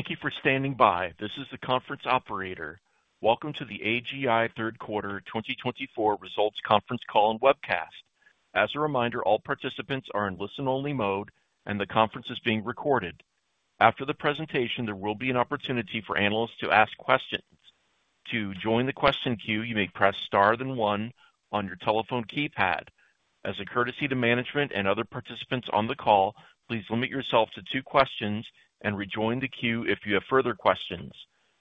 Thank you for standing by. This is the conference operator. Welcome to the AGI Third Quarter 2024 Results Conference Call and Webcast. As a reminder, all participants are in listen-only mode, and the conference is being recorded. After the presentation, there will be an opportunity for analysts to ask questions. To join the question queue, you may press star then one on your telephone keypad. As a courtesy to management and other participants on the call, please limit yourself to two questions and rejoin the queue if you have further questions.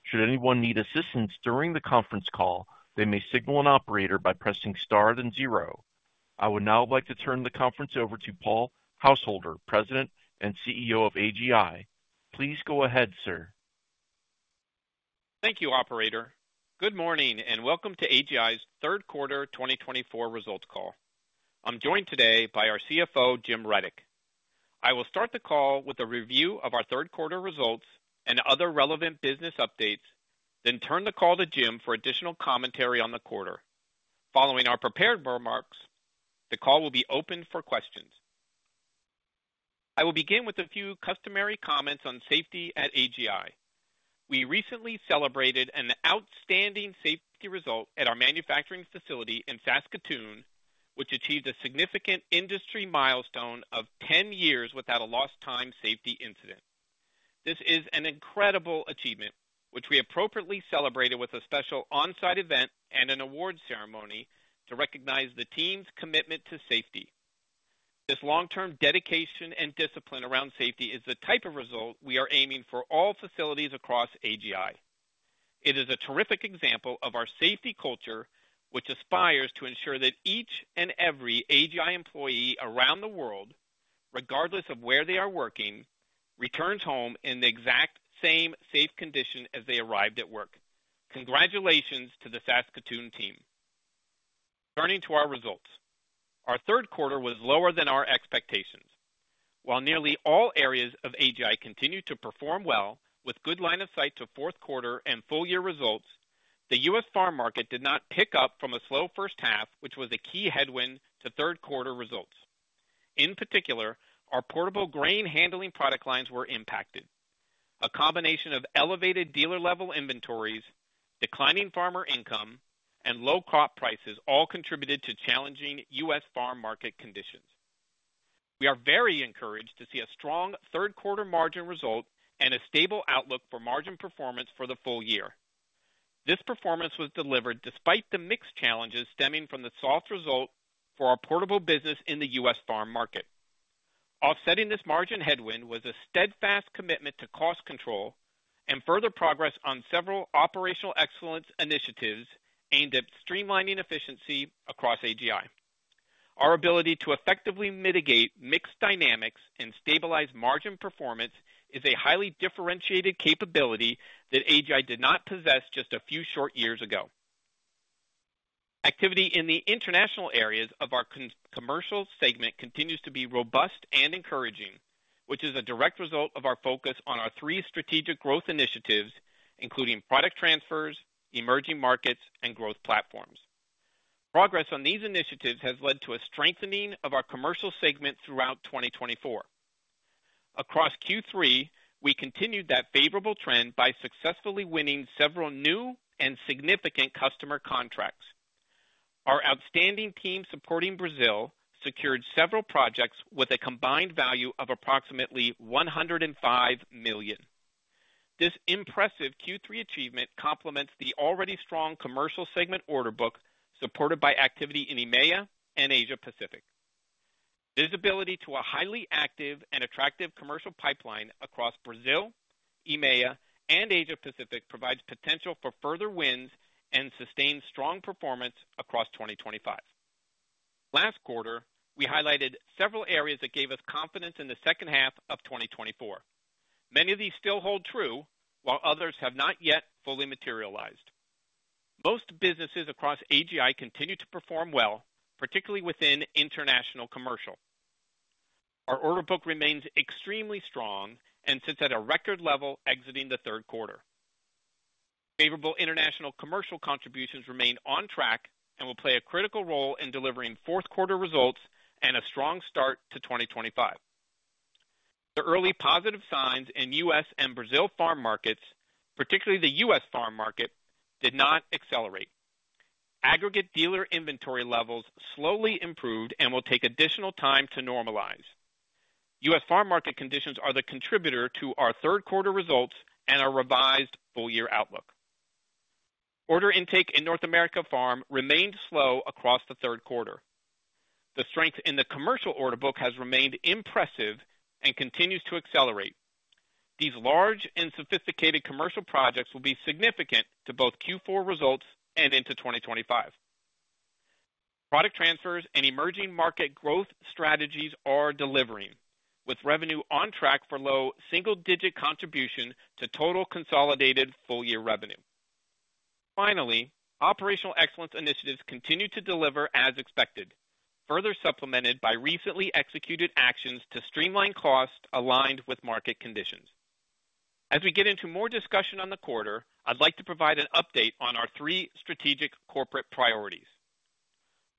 Should anyone need assistance during the conference call, they may signal an operator by pressing star then zero. I would now like to turn the conference over to Paul Householder, President and CEO of AGI. Please go ahead, sir. Thank you, Operator. Good morning and welcome to AGI's Third Quarter 2024 Results Call. I'm joined today by our CFO, Jim Rudyk. I will start the call with a review of our third quarter results and other relevant business updates, then turn the call to Jim for additional commentary on the quarter. Following our prepared remarks, the call will be open for questions. I will begin with a few customary comments on safety at AGI. We recently celebrated an outstanding safety result at our manufacturing facility in Saskatoon, which achieved a significant industry milestone of 10 years without a lost-time safety incident. This is an incredible achievement, which we appropriately celebrated with a special on-site event and an awards ceremony to recognize the team's commitment to safety. This long-term dedication and discipline around safety is the type of result we are aiming for all facilities across AGI. It is a terrific example of our safety culture, which aspires to ensure that each and every AGI employee around the world, regardless of where they are working, returns home in the exact same safe condition as they arrived at work. Congratulations to the Saskatoon team. Turning to our results, our third quarter was lower than our expectations. While nearly all areas of AGI continued to perform well, with good line of sight to fourth quarter and full year results, the U.S. farm market did not pick up from a slow first half, which was a key headwind to third quarter results. In particular, our portable grain handling product lines were impacted. A combination of elevated dealer-level inventories, declining farmer income, and low crop prices all contributed to challenging U.S. farm market conditions. We are very encouraged to see a strong third quarter margin result and a stable outlook for margin performance for the full year. This performance was delivered despite the mixed challenges stemming from the soft result for our portable business in the U.S. farm market. Offsetting this margin headwind was a steadfast commitment to cost control and further progress on several operational excellence initiatives aimed at streamlining efficiency across AGI. Our ability to effectively mitigate mixed dynamics and stabilize margin performance is a highly differentiated capability that AGI did not possess just a few short years ago. Activity in the international areas of our commercial segment continues to be robust and encouraging, which is a direct result of our focus on our three strategic growth initiatives, including product transfers, emerging markets, and growth platforms. Progress on these initiatives has led to a strengthening of our commercial segment throughout 2024. Across Q3, we continued that favorable trend by successfully winning several new and significant customer contracts. Our outstanding team supporting Brazil secured several projects with a combined value of approximately 105 million. This impressive Q3 achievement complements the already strong commercial segment order book supported by activity in EMEA and Asia Pacific. Visibility to a highly active and attractive commercial pipeline across Brazil, EMEA, and Asia Pacific provides potential for further wins and sustained strong performance across 2025. Last quarter, we highlighted several areas that gave us confidence in the second half of 2024. Many of these still hold true, while others have not yet fully materialized. Most businesses across AGI continue to perform well, particularly within international commercial. Our order book remains extremely strong and sits at a record level exiting the third quarter. Favorable international commercial contributions remain on track and will play a critical role in delivering fourth quarter results and a strong start to 2025. The early positive signs in U.S. and Brazil farm markets, particularly the U.S. farm market, did not accelerate. Aggregate dealer inventory levels slowly improved and will take additional time to normalize. U.S. farm market conditions are the contributor to our third quarter results and our revised full year outlook. Order intake in North America farm remained slow across the third quarter. The strength in the commercial order book has remained impressive and continues to accelerate. These large and sophisticated commercial projects will be significant to both Q4 results and into 2025. Product transfers and emerging market growth strategies are delivering, with revenue on track for low single-digit contribution to total consolidated full year revenue. Finally, operational excellence initiatives continue to deliver as expected, further supplemented by recently executed actions to streamline costs aligned with market conditions. As we get into more discussion on the quarter, I'd like to provide an update on our three strategic corporate priorities.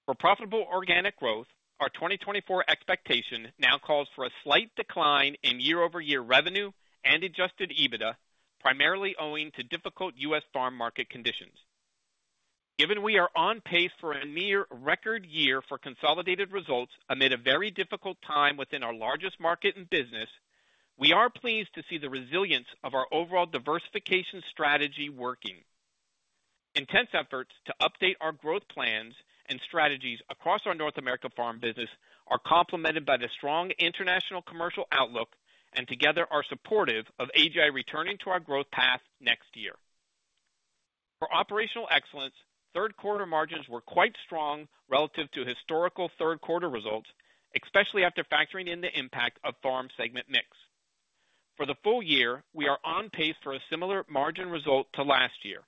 For profitable organic growth, our 2024 expectation now calls for a slight decline in year-over-year revenue and adjusted EBITDA, primarily owing to difficult U.S. farm market conditions. Given we are on pace for a near record year for consolidated results amid a very difficult time within our largest market and business, we are pleased to see the resilience of our overall diversification strategy working. Intense efforts to update our growth plans and strategies across our North America farm business are complemented by the strong international commercial outlook, and together are supportive of AGI returning to our growth path next year. For operational excellence, third quarter margins were quite strong relative to historical third quarter results, especially after factoring in the impact of farm segment mix. For the full year, we are on pace for a similar margin result to last year.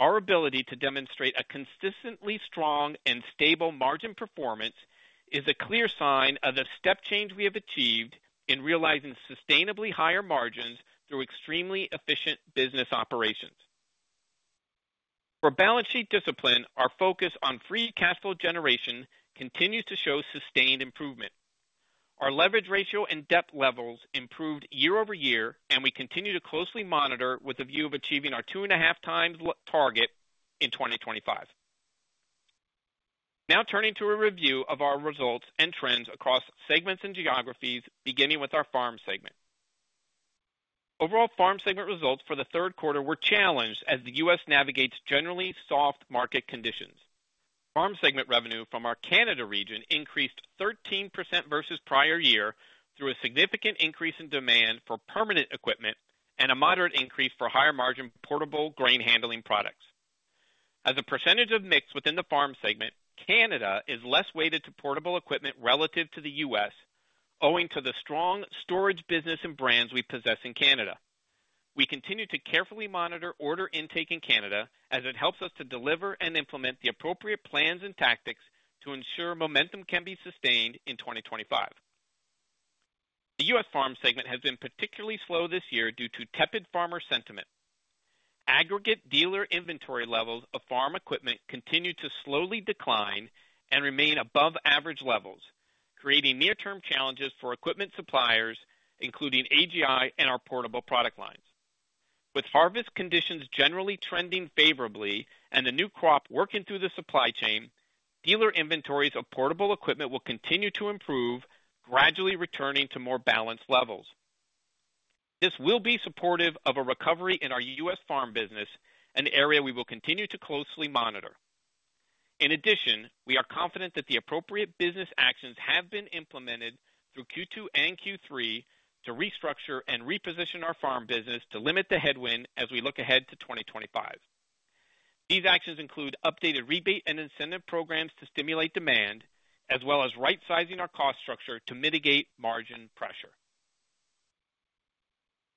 Our ability to demonstrate a consistently strong and stable margin performance is a clear sign of the step change we have achieved in realizing sustainably higher margins through extremely efficient business operations. For balance sheet discipline, our focus on free cash flow generation continues to show sustained improvement. Our leverage ratio and debt levels improved year over year, and we continue to closely monitor with a view of achieving our two and a half times target in 2025. Now turning to a review of our results and trends across segments and geographies, beginning with our farm segment. Overall farm segment results for the third quarter were challenged as the U.S. navigates generally soft market conditions. Farm segment revenue from our Canada region increased 13% versus prior year through a significant increase in demand for permanent equipment and a moderate increase for higher margin portable grain handling products. As a percentage of mix within the farm segment, Canada is less weighted to portable equipment relative to the U.S., owing to the strong storage business and brands we possess in Canada. We continue to carefully monitor order intake in Canada as it helps us to deliver and implement the appropriate plans and tactics to ensure momentum can be sustained in 2025. The U.S. farm segment has been particularly slow this year due to tepid farmer sentiment. Aggregate dealer inventory levels of farm equipment continue to slowly decline and remain above average levels, creating near-term challenges for equipment suppliers, including AGI and our portable product lines. With harvest conditions generally trending favorably and the new crop working through the supply chain, dealer inventories of portable equipment will continue to improve, gradually returning to more balanced levels. This will be supportive of a recovery in our U.S. farm business, an area we will continue to closely monitor. In addition, we are confident that the appropriate business actions have been implemented through Q2 and Q3 to restructure and reposition our farm business to limit the headwind as we look ahead to 2025. These actions include updated rebate and incentive programs to stimulate demand, as well as right-sizing our cost structure to mitigate margin pressure.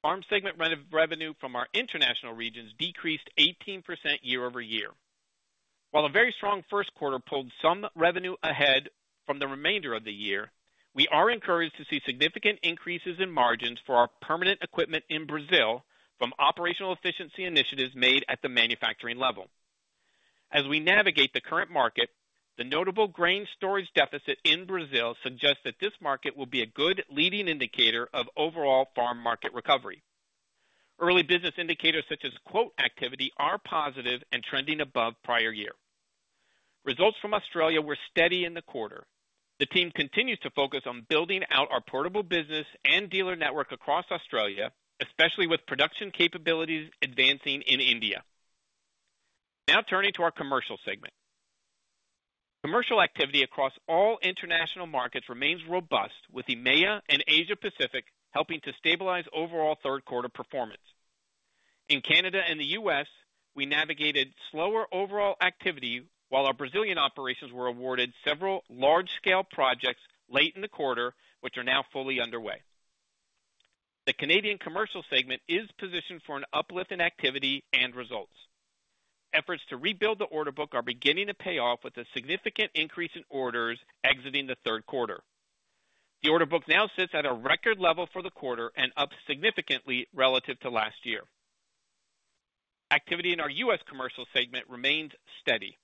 Farm segment revenue from our international regions decreased 18% year over year. While a very strong first quarter pulled some revenue ahead from the remainder of the year, we are encouraged to see significant increases in margins for our permanent equipment in Brazil from operational efficiency initiatives made at the manufacturing level. As we navigate the current market, the notable grain storage deficit in Brazil suggests that this market will be a good leading indicator of overall farm market recovery. Early business indicators such as quote activity are positive and trending above prior year. Results from Australia were steady in the quarter. The team continues to focus on building out our portable business and dealer network across Australia, especially with production capabilities advancing in India. Now turning to our commercial segment. Commercial activity across all international markets remains robust, with EMEA and Asia Pacific helping to stabilize overall third quarter performance. In Canada and the U.S., we navigated slower overall activity, while our Brazilian operations were awarded several large-scale projects late in the quarter, which are now fully underway. The Canadian commercial segment is positioned for an uplift in activity and results. Efforts to rebuild the order book are beginning to pay off with a significant increase in orders exiting the third quarter. The order book now sits at a record level for the quarter and up significantly relative to last year. Activity in our U.S. commercial segment remains steady.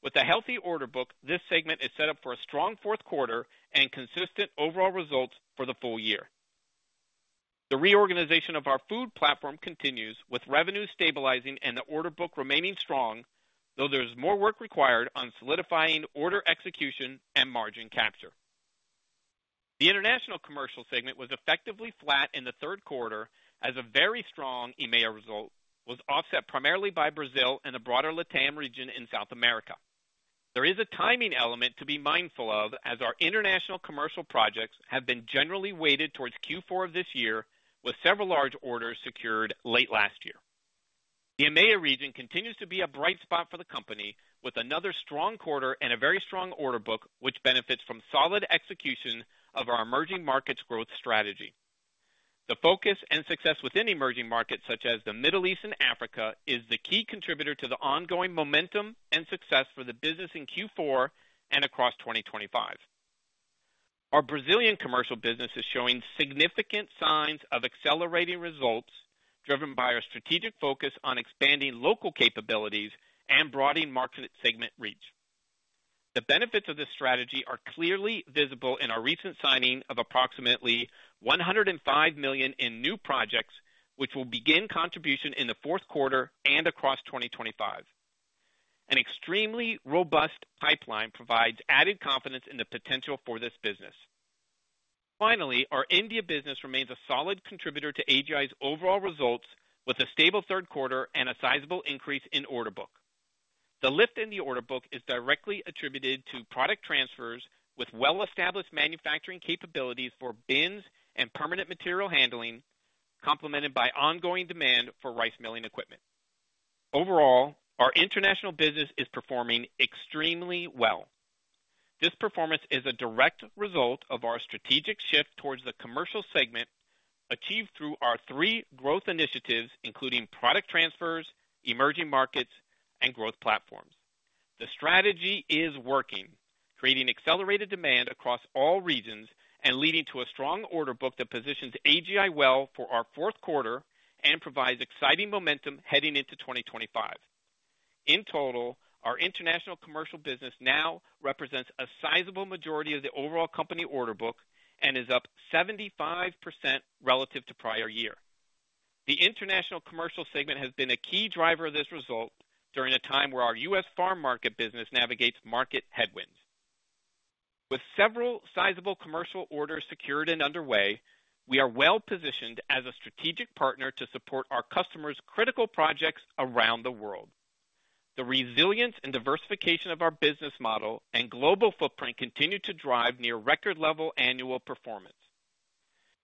With a healthy order book, this segment is set up for a strong fourth quarter and consistent overall results for the full year. The reorganization of our food platform continues, with revenues stabilizing and the order book remaining strong, though there's more work required on solidifying order execution and margin capture. The international commercial segment was effectively flat in the third quarter as a very strong EMEA result was offset primarily by Brazil and the broader LATAM region in South America. There is a timing element to be mindful of as our international commercial projects have been generally weighted towards Q4 of this year, with several large orders secured late last year. The EMEA region continues to be a bright spot for the company, with another strong quarter and a very strong order book, which benefits from solid execution of our emerging markets growth strategy. The focus and success within emerging markets, such as the Middle East and Africa, is the key contributor to the ongoing momentum and success for the business in Q4 and across 2025. Our Brazilian commercial business is showing significant signs of accelerating results driven by our strategic focus on expanding local capabilities and broadening market segment reach. The benefits of this strategy are clearly visible in our recent signing of approximately 105 million in new projects, which will begin contribution in the fourth quarter and across 2025. An extremely robust pipeline provides added confidence in the potential for this business. Finally, our India business remains a solid contributor to AGI's overall results, with a stable third quarter and a sizable increase in order book. The lift in the order book is directly attributed to product transfers with well-established manufacturing capabilities for bins and permanent material handling, complemented by ongoing demand for rice milling equipment. Overall, our international business is performing extremely well. This performance is a direct result of our strategic shift towards the commercial segment achieved through our three growth initiatives, including product transfers, emerging markets, and growth platforms. The strategy is working, creating accelerated demand across all regions and leading to a strong order book that positions AGI well for our fourth quarter and provides exciting momentum heading into 2025. In total, our international commercial business now represents a sizable majority of the overall company order book and is up 75% relative to prior year. The international commercial segment has been a key driver of this result during a time where our U.S. farm market business navigates market headwinds. With several sizable commercial orders secured and underway, we are well positioned as a strategic partner to support our customers' critical projects around the world. The resilience and diversification of our business model and global footprint continue to drive near record-level annual performance.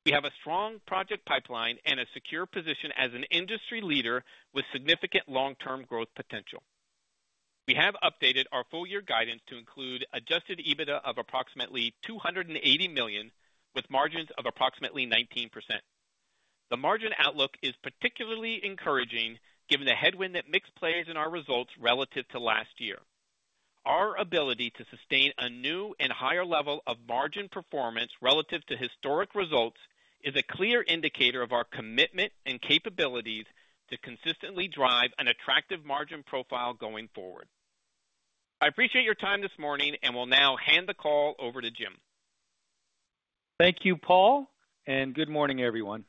We have a strong project pipeline and a secure position as an industry leader with significant long-term growth potential. We have updated our full year guidance to include Adjusted EBITDA of approximately 280 million, with margins of approximately 19%. The margin outlook is particularly encouraging given the headwinds that the mix played in our results relative to last year. Our ability to sustain a new and higher level of margin performance relative to historic results is a clear indicator of our commitment and capabilities to consistently drive an attractive margin profile going forward. I appreciate your time this morning and will now hand the call over to Jim. Thank you, Paul, and good morning, everyone.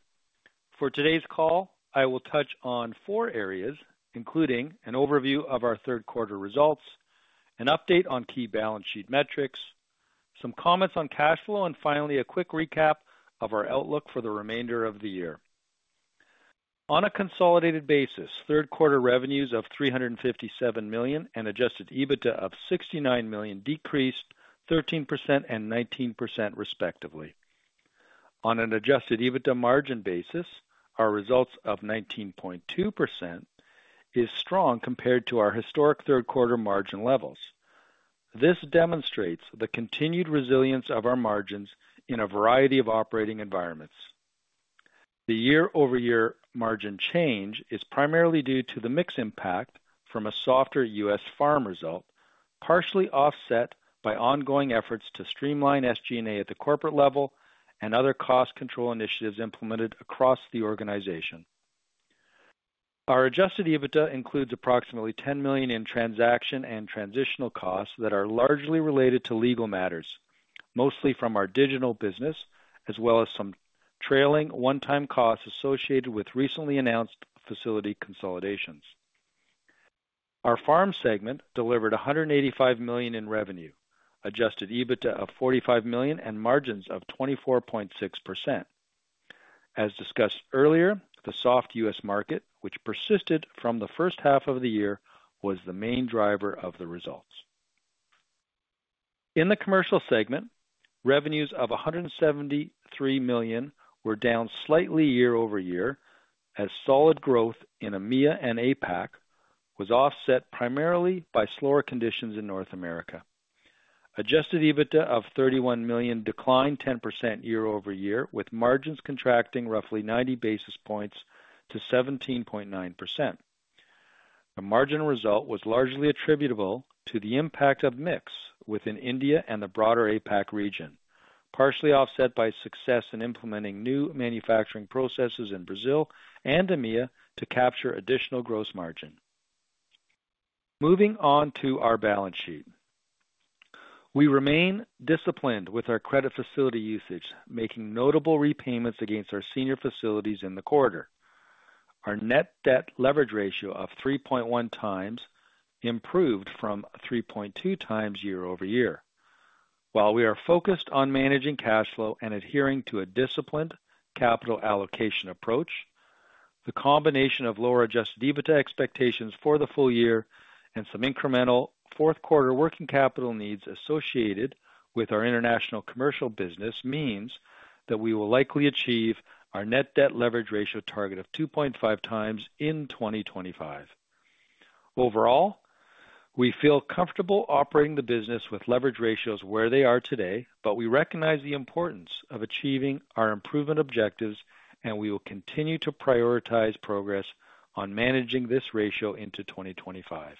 For today's call, I will touch on four areas, including an overview of our third quarter results, an update on key balance sheet metrics, some comments on cash flow, and finally, a quick recap of our outlook for the remainder of the year. On a consolidated basis, third quarter revenues of 357 million and adjusted EBITDA of 69 million decreased 13% and 19%, respectively. On an adjusted EBITDA margin basis, our results of 19.2% is strong compared to our historic third quarter margin levels. This demonstrates the continued resilience of our margins in a variety of operating environments. The year-over-year margin change is primarily due to the mix impact from a softer U.S. farm result, partially offset by ongoing efforts to streamline SG&A at the corporate level and other cost control initiatives implemented across the organization. Our adjusted EBITDA includes approximately 10 million in transaction and transitional costs that are largely related to legal matters, mostly from our digital business, as well as some trailing one-time costs associated with recently announced facility consolidations. Our farm segment delivered 185 million in revenue, adjusted EBITDA of 45 million, and margins of 24.6%. As discussed earlier, the soft U.S. market, which persisted from the first half of the year, was the main driver of the results. In the commercial segment, revenues of 173 million were down slightly year-over-year, as solid growth in EMEA and APAC was offset primarily by slower conditions in North America. Adjusted EBITDA of 31 million declined 10% year-over-year, with margins contracting roughly 90 basis points to 17.9%. The margin result was largely attributable to the impact of mix within India and the broader APAC region, partially offset by success in implementing new manufacturing processes in Brazil and EMEA to capture additional gross margin. Moving on to our balance sheet, we remain disciplined with our credit facility usage, making notable repayments against our senior facilities in the quarter. Our net debt leverage ratio of 3.1 times improved from 3.2 times year-over-year. While we are focused on managing cash flow and adhering to a disciplined capital allocation approach, the combination of lower adjusted EBITDA expectations for the full year and some incremental fourth quarter working capital needs associated with our international commercial business means that we will likely achieve our net debt leverage ratio target of 2.5 times in 2025. Overall, we feel comfortable operating the business with leverage ratios where they are today, but we recognize the importance of achieving our improvement objectives, and we will continue to prioritize progress on managing this ratio into 2025.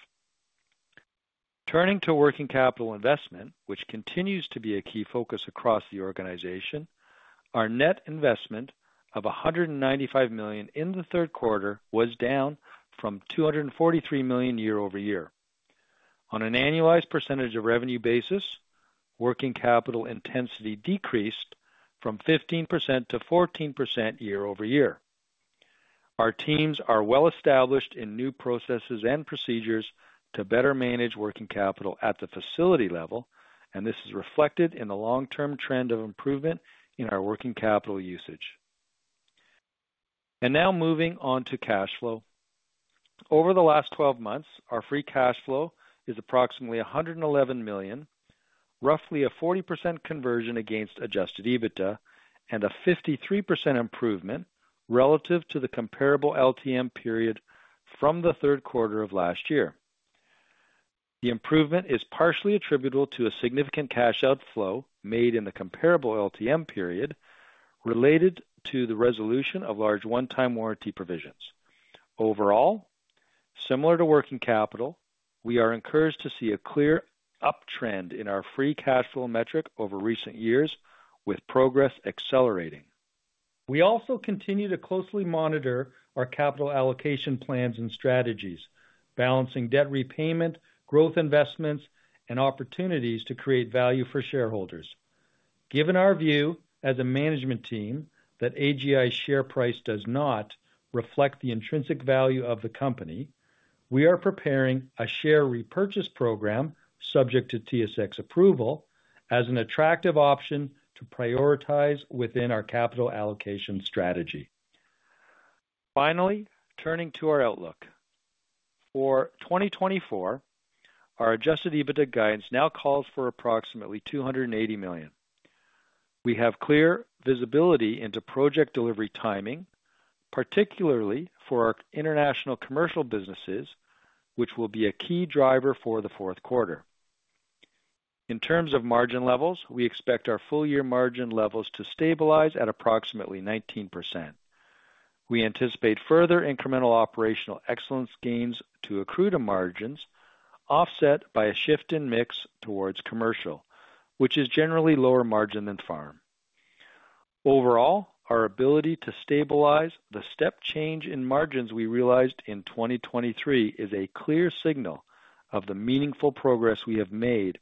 Turning to working capital investment, which continues to be a key focus across the organization, our net investment of 195 million in the third quarter was down from 243 million year-over-year. On an annualized percentage of revenue basis, working capital intensity decreased from 15% to 14% year-over-year. Our teams are well established in new processes and procedures to better manage working capital at the facility level, and this is reflected in the long-term trend of improvement in our working capital usage, and now moving on to cash flow. Over the last 12 months, our free cash flow is approximately 111 million, roughly a 40% conversion against adjusted EBITDA, and a 53% improvement relative to the comparable LTM period from the third quarter of last year. The improvement is partially attributable to a significant cash outflow made in the comparable LTM period related to the resolution of large one-time warranty provisions. Overall, similar to working capital, we are encouraged to see a clear uptrend in our free cash flow metric over recent years, with progress accelerating. We also continue to closely monitor our capital allocation plans and strategies, balancing debt repayment, growth investments, and opportunities to create value for shareholders. Given our view as a management team that AGI's share price does not reflect the intrinsic value of the company, we are preparing a share repurchase program subject to TSX approval as an attractive option to prioritize within our capital allocation strategy. Finally, turning to our outlook. For 2024, our adjusted EBITDA guidance now calls for approximately 280 million. We have clear visibility into project delivery timing, particularly for our international commercial businesses, which will be a key driver for the fourth quarter. In terms of margin levels, we expect our full year margin levels to stabilize at approximately 19%. We anticipate further incremental operational excellence gains to accrue to margins, offset by a shift in mix towards commercial, which is generally lower margin than farm. Overall, our ability to stabilize the step change in margins we realized in 2023 is a clear signal of the meaningful progress we have made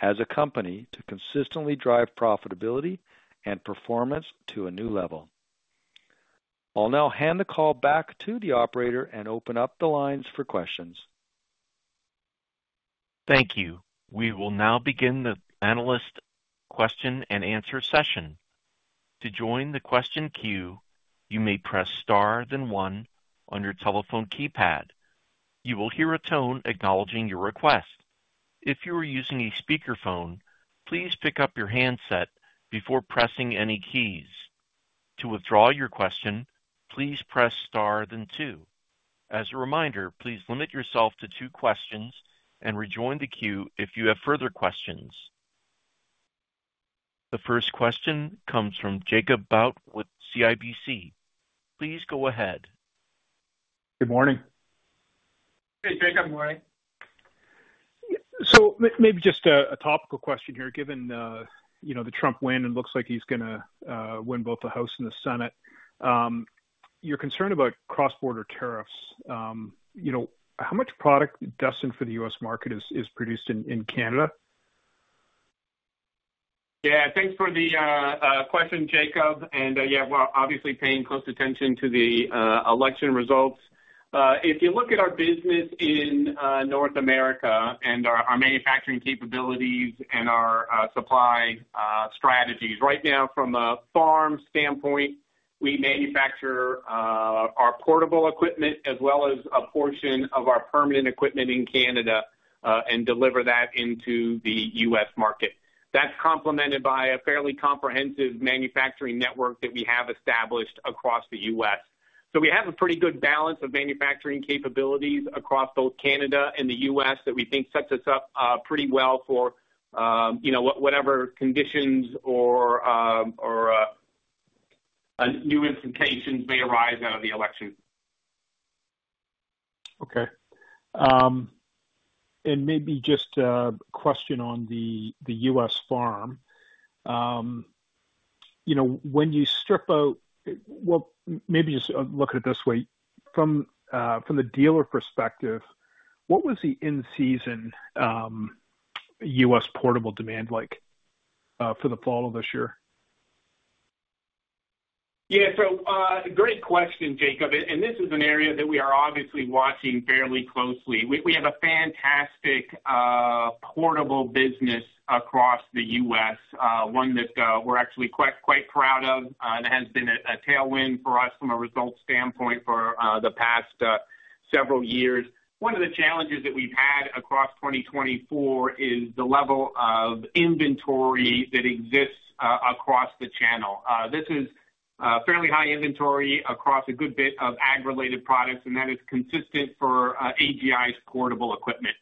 as a company to consistently drive profitability and performance to a new level. I'll now hand the call back to the operator and open up the lines for questions. Thank you. We will now begin the analyst question and answer session. To join the question queue, you may press star then one on your telephone keypad. You will hear a tone acknowledging your request. If you are using a speakerphone, please pick up your handset before pressing any keys. To withdraw your question, please press star then two. As a reminder, please limit yourself to two questions and rejoin the queue if you have further questions. The first question comes from Jacob Bout with CIBC. Please go ahead. Good morning. Hey, Jacob, good morning. So maybe just a topical question here. Given the Trump win, it looks like he's going to win both the House and the Senate. You're concerned about cross-border tariffs. How much product destined for the U.S. market is produced in Canada? Yeah, thanks for the question, Jacob. And yeah, we're obviously paying close attention to the election results. If you look at our business in North America and our manufacturing capabilities and our supply strategies, right now, from a farm standpoint, we manufacture our portable equipment as well as a portion of our permanent equipment in Canada and deliver that into the U.S. market. That's complemented by a fairly comprehensive manufacturing network that we have established across the U.S. So we have a pretty good balance of manufacturing capabilities across both Canada and the U.S. that we think sets us up pretty well for whatever conditions or new implications may arise out of the election. Okay. And maybe just a question on the U.S. farm. When you strip out, well, maybe just look at it this way. From the dealer perspective, what was the in-season U.S. portable demand like for the fall of this year? Yeah, so great question, Jacob. And this is an area that we are obviously watching fairly closely. We have a fantastic portable business across the U.S., one that we're actually quite proud of, and it has been a tailwind for us from a results standpoint for the past several years. One of the challenges that we've had across 2024 is the level of inventory that exists across the channel. This is fairly high inventory across a good bit of ag-related products, and that is consistent for AGI's portable equipment.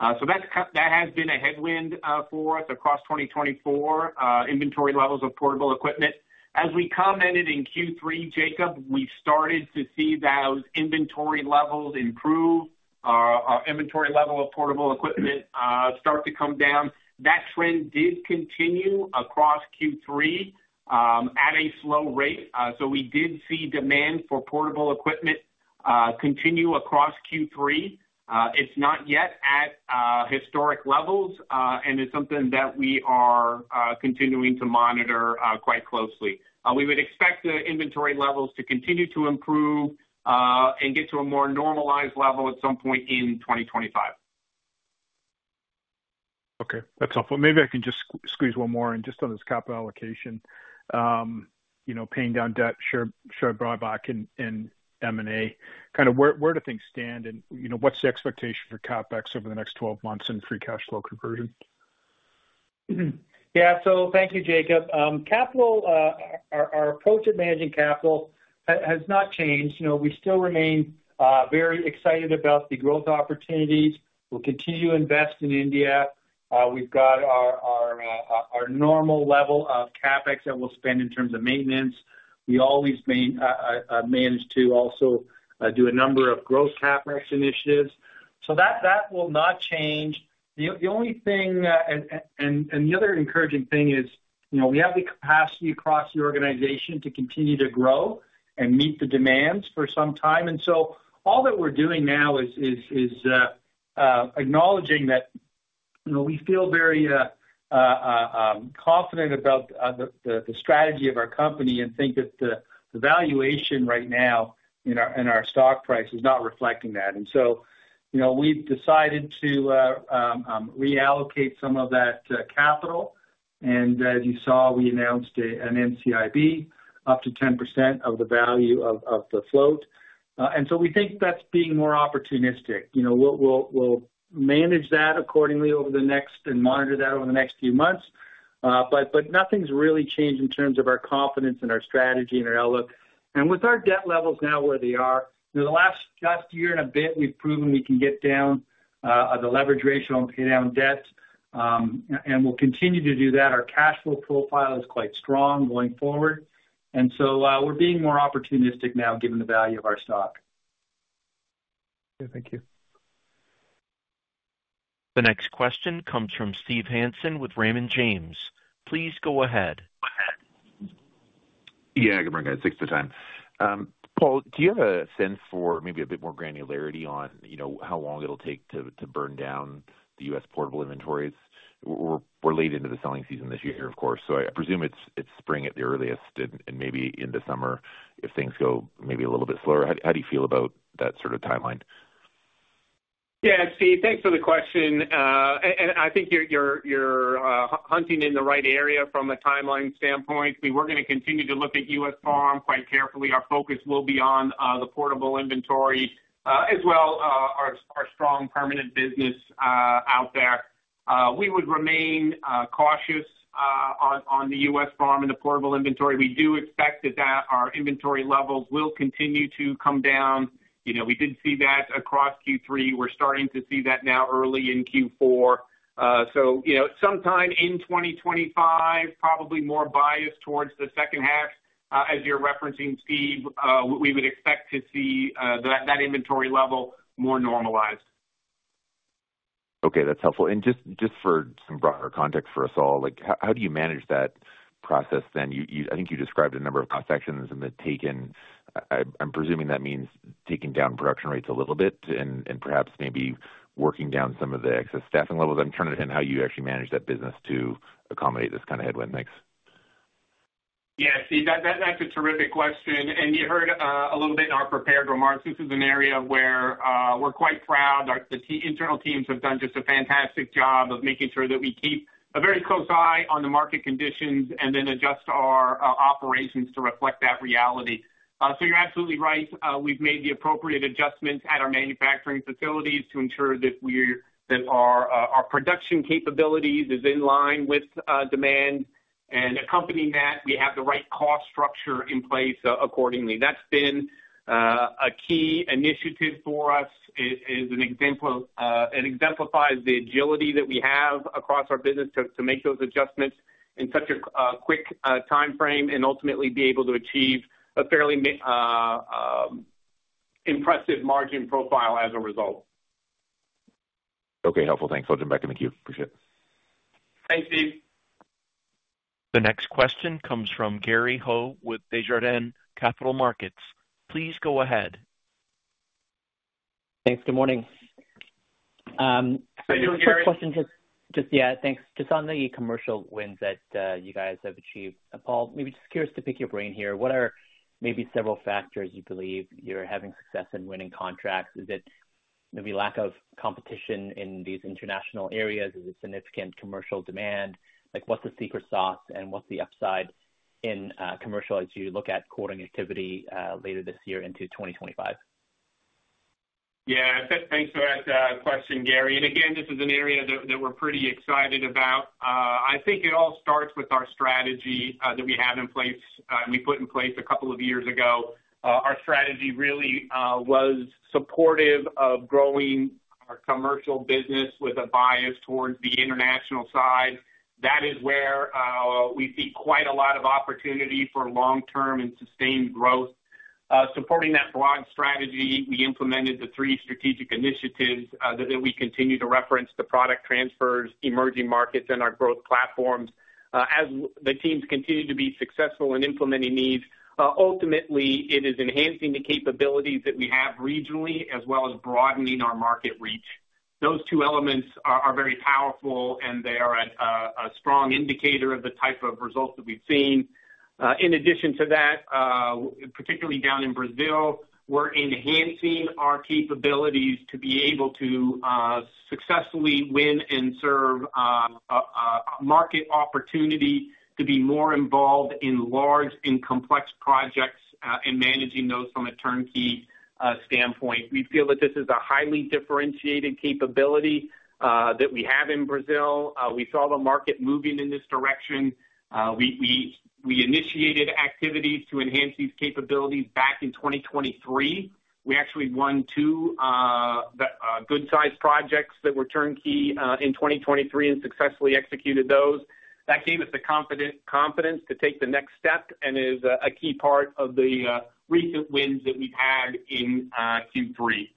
That has been a headwind for us across 2024, inventory levels of portable equipment. As we commented in Q3, Jacob, we started to see those inventory levels improve, our inventory level of portable equipment start to come down. That trend did continue across Q3 at a slow rate. We did see demand for portable equipment continue across Q3. It's not yet at historic levels, and it's something that we are continuing to monitor quite closely. We would expect the inventory levels to continue to improve and get to a more normalized level at some point in 2025. Okay. That's helpful. Maybe I can just squeeze one more in just on this capital allocation, paying down debt, share buyback, and M&A. Kind of, where do things stand, and what's the expectation for CapEx over the next 12 months in free cash flow conversion? Yeah, so thank you, Jacob. Our approach at managing capital has not changed. We still remain very excited about the growth opportunities. We'll continue to invest in India. We've got our normal level of CapEx that we'll spend in terms of maintenance. We always manage to also do a number of growth CapEx initiatives, so that will not change. The only thing, and the other encouraging thing is we have the capacity across the organization to continue to grow and meet the demands for some time, and so all that we're doing now is acknowledging that we feel very confident about the strategy of our company and think that the valuation right now in our stock price is not reflecting that, and so we've decided to reallocate some of that capital, and as you saw, we announced an NCIB up to 10% of the value of the float. We think that's being more opportunistic. We'll manage that accordingly over the next and monitor that over the next few months. But nothing's really changed in terms of our confidence in our strategy and our outlook. With our debt levels now where they are, in the last year and a bit, we've proven we can get down the leverage ratio and pay down debt. We'll continue to do that. Our cash flow profile is quite strong going forward. We're being more opportunistic now given the value of our stock. Yeah, thank you. The next question comes from Steve Hansen with Raymond James. Please go ahead. Yeah, good morning, guys. Thanks for the time. Paul, do you have a sense for maybe a bit more granularity on how long it'll take to burn down the U.S. portable inventories? We're late into the selling season this year, of course. So I presume it's spring at the earliest and maybe into summer if things go maybe a little bit slower. How do you feel about that sort of timeline? Yeah, Steve, thanks for the question. And I think you're hunting in the right area from a timeline standpoint. We were going to continue to look at U.S. farm quite carefully. Our focus will be on the portable inventory as well as our strong permanent business out there. We would remain cautious on the U.S. farm and the portable inventory. We do expect that our inventory levels will continue to come down. We did see that across Q3. We're starting to see that now early in Q4. So sometime in 2025, probably more biased towards the second half. As you're referencing, Steve, we would expect to see that inventory level more normalized. Okay, that's helpful. And just for some broader context for us all, how do you manage that process then? I think you described a number of cost actions and the takedown. I'm presuming that means taking down production rates a little bit and perhaps maybe working down some of the excess staffing levels. I'm trying to understand how you actually manage that business to accommodate this kind of headwind. Thanks. Yeah, Steve, that's a terrific question. And you heard a little bit in our prepared remarks. This is an area where we're quite proud. The internal teams have done just a fantastic job of making sure that we keep a very close eye on the market conditions and then adjust our operations to reflect that reality. So you're absolutely right. We've made the appropriate adjustments at our manufacturing facilities to ensure that our production capabilities are in line with demand. And accompanying that, we have the right cost structure in place accordingly. That's been a key initiative for us. It exemplifies the agility that we have across our business to make those adjustments in such a quick timeframe and ultimately be able to achieve a fairly impressive margin profile as a result. Okay, helpful. Thanks. I'll jump back and thank you. Appreciate it. Thanks, Steve. The next question comes from Gary Ho with Desjardins Capital Markets. Please go ahead. Thanks. Good morning. Thanks for the question. Just, yeah, thanks. Just on the commercial wins that you guys have achieved, Paul, maybe just curious to pick your brain here. What are maybe several factors you believe you're having success in winning contracts? Is it maybe lack of competition in these international areas? Is it significant commercial demand? What's the secret sauce and what's the upside in commercial as you look at quoting activity later this year into 2025? Yeah, thanks for that question, Gary. And again, this is an area that we're pretty excited about. I think it all starts with our strategy that we have in place and we put in place a couple of years ago. Our strategy really was supportive of growing our commercial business with a bias towards the international side. That is where we see quite a lot of opportunity for long-term and sustained growth. Supporting that broad strategy, we implemented the three strategic initiatives that we continue to reference: the product transfers, emerging markets, and our growth platforms. As the teams continue to be successful in implementing these, ultimately, it is enhancing the capabilities that we have regionally as well as broadening our market reach. Those two elements are very powerful, and they are a strong indicator of the type of results that we've seen. In addition to that, particularly down in Brazil, we're enhancing our capabilities to be able to successfully win and serve a market opportunity to be more involved in large and complex projects and managing those from a turnkey standpoint. We feel that this is a highly differentiated capability that we have in Brazil. We saw the market moving in this direction. We initiated activities to enhance these capabilities back in 2023. We actually won two good-sized projects that were turnkey in 2023 and successfully executed those. That gave us the confidence to take the next step and is a key part of the recent wins that we've had in Q3.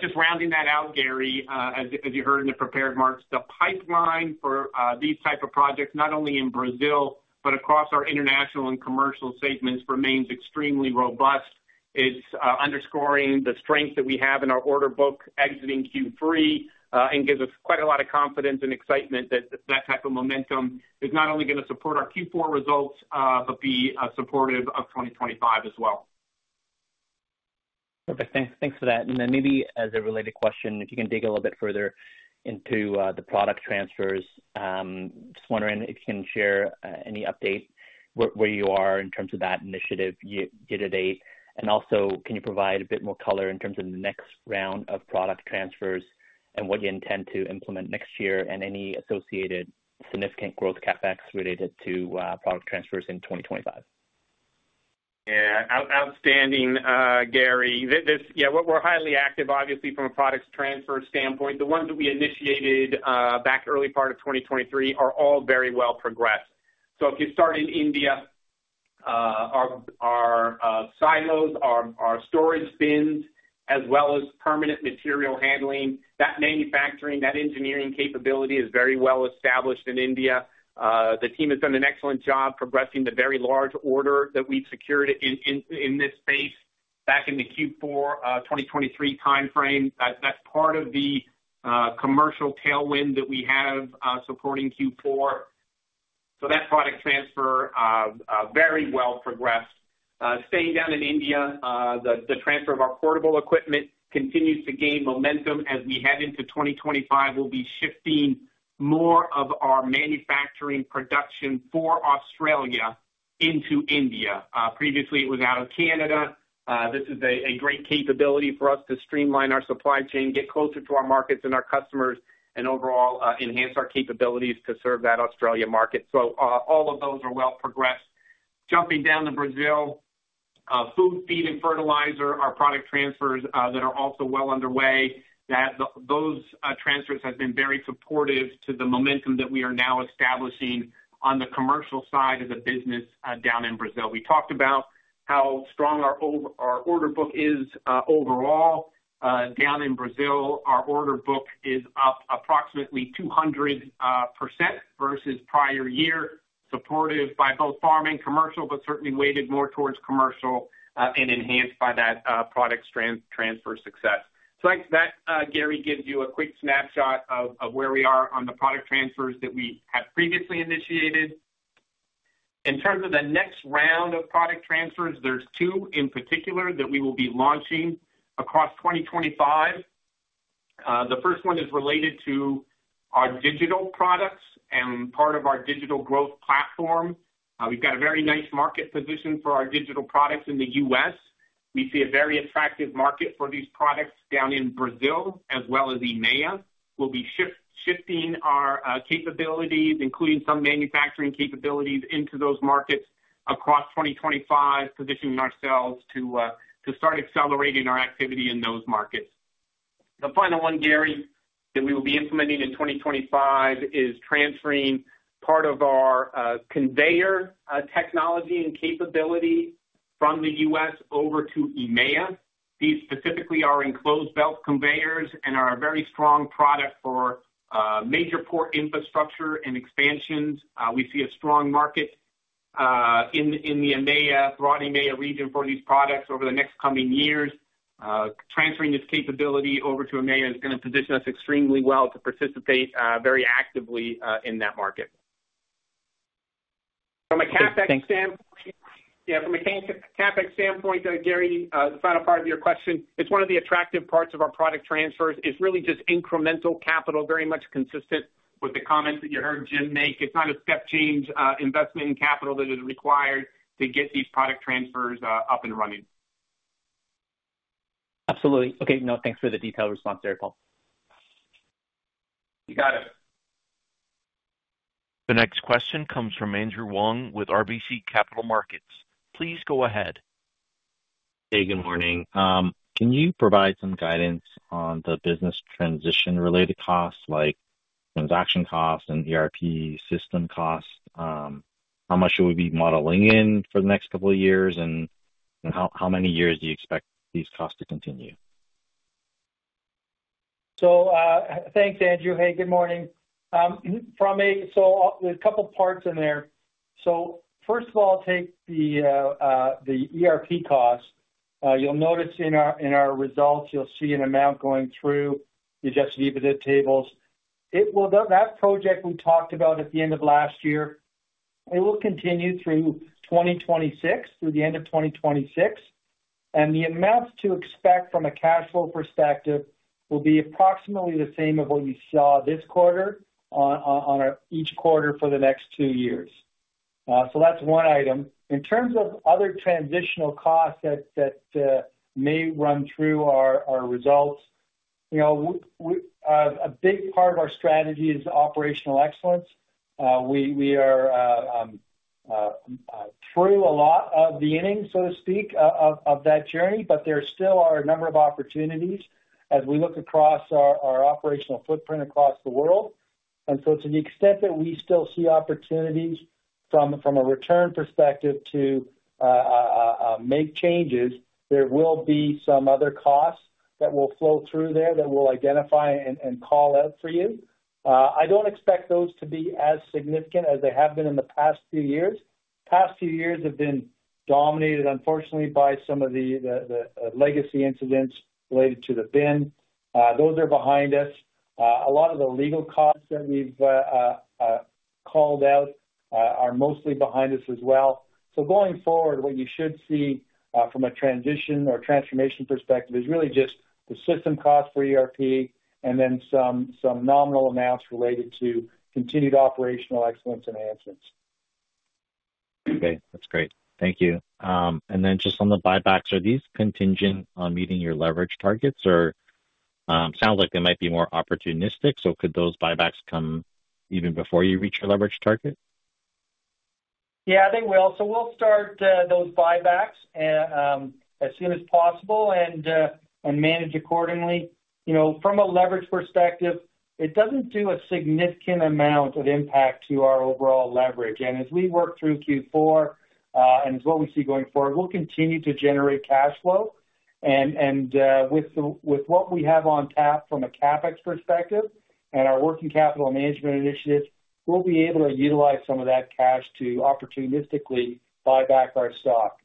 Just rounding that out, Gary, as you heard in the prepared remarks, the pipeline for these types of projects, not only in Brazil, but across our international and commercial segments, remains extremely robust. It's underscoring the strength that we have in our order book exiting Q3 and gives us quite a lot of confidence and excitement that that type of momentum is not only going to support our Q4 results, but be supportive of 2025 as well. Perfect. Thanks for that. And then maybe as a related question, if you can dig a little bit further into the product transfers, just wondering if you can share any update where you are in terms of that initiative year to date. And also, can you provide a bit more color in terms of the next round of product transfers and what you intend to implement next year and any associated significant growth CapEx related to product transfers in 2025? Yeah, outstanding, Gary. Yeah, we're highly active, obviously, from a product transfer standpoint. The ones that we initiated back early part of 2023 are all very well progressed. So if you start in India, our silos, our storage bins, as well as permanent material handling, that manufacturing, that engineering capability is very well established in India. The team has done an excellent job progressing the very large order that we've secured in this space back in the Q4 2023 timeframe. That's part of the commercial tailwind that we have supporting Q4. So that product transfer very well progressed. Staying down in India, the transfer of our portable equipment continues to gain momentum as we head into 2025. We'll be shifting more of our manufacturing production for Australia into India. Previously, it was out of Canada. This is a great capability for us to streamline our supply chain, get closer to our markets and our customers, and overall enhance our capabilities to serve that Australia market, so all of those are well progressed. Jumping down to Brazil, food, feed, and fertilizer, our product transfers that are also well underway. Those transfers have been very supportive to the momentum that we are now establishing on the commercial side of the business down in Brazil. We talked about how strong our order book is overall. Down in Brazil, our order book is up approximately 200% versus prior year, supported by both farm and commercial, but certainly weighted more towards commercial and enhanced by that product transfer success. So I think that, Gary, gives you a quick snapshot of where we are on the product transfers that we have previously initiated. In terms of the next round of product transfers, there's two in particular that we will be launching across 2025. The first one is related to our digital products and part of our digital growth platform. We've got a very nice market position for our digital products in the U.S. We see a very attractive market for these products down in Brazil as well as EMEA. We'll be shifting our capabilities, including some manufacturing capabilities, into those markets across 2025, positioning ourselves to start accelerating our activity in those markets. The final one, Gary, that we will be implementing in 2025 is transferring part of our conveyor technology and capability from the U.S. over to EMEA. These specifically are enclosed belt conveyors and are a very strong product for major port infrastructure and expansions. We see a strong market in the EMEA, broad EMEA region for these products over the next coming years. Transferring this capability over to EMEA is going to position us extremely well to participate very actively in that market. From a CapEx standpoint, yeah, from a CapEx standpoint, Gary, the final part of your question, it's one of the attractive parts of our product transfers. It's really just incremental capital, very much consistent with the comments that you heard Jim make. It's not a step-change investment in capital that is required to get these product transfers up and running. Absolutely. Okay. No, thanks for the detailed response there, Paul. You got it. The next question comes from Andrew Wong with RBC Capital Markets. Please go ahead. Hey, good morning. Can you provide some guidance on the business transition-related costs, like transaction costs and ERP system costs? How much will we be modeling in for the next couple of years? And how many years do you expect these costs to continue? So thanks, Andrew. Hey, good morning. So a couple of parts in there. So first of all, take the ERP costs. You'll notice in our results, you'll see an amount going through. You just view the tables. That project we talked about at the end of last year, it will continue through 2026, through the end of 2026. The amounts to expect from a cash flow perspective will be approximately the same as what you saw this quarter on each quarter for the next two years. So that's one item. In terms of other transitional costs that may run through our results, a big part of our strategy is operational excellence. We are through a lot of the innings, so to speak, of that journey, but there still are a number of opportunities as we look across our operational footprint across the world. And so to the extent that we still see opportunities from a return perspective to make changes, there will be some other costs that will flow through there that we'll identify and call out for you. I don't expect those to be as significant as they have been in the past few years. The past few years have been dominated, unfortunately, by some of the legacy incidents related to the bin. Those are behind us. A lot of the legal costs that we've called out are mostly behind us as well. So going forward, what you should see from a transition or transformation perspective is really just the system cost for ERP and then some nominal amounts related to continued operational excellence enhancements. Okay. That's great. Thank you. And then just on the buybacks, are these contingent on meeting your leverage targets? Or it sounds like they might be more opportunistic. So could those buybacks come even before you reach your leverage target? Yeah, I think we'll start those buybacks as soon as possible and manage accordingly. From a leverage perspective, it doesn't do a significant amount of impact to our overall leverage. As we work through Q4 and as what we see going forward, we'll continue to generate cash flow. With what we have on tap from a CapEx perspective and our working capital management initiative, we'll be able to utilize some of that cash to opportunistically buy back our stock.